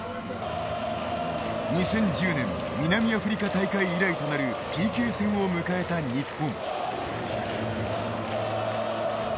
２０１０年南アフリカ大会以来となるＰＫ戦を迎えた日本。